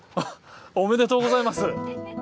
おめでとうございます！